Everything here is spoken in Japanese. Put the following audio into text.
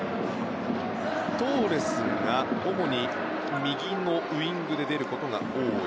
トーレスが主に右ウィングで出ることが多い。